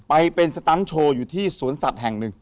ไปเป็นสตันโชว์อยู่ที่สวนสัตว์แห่งหนึ่ง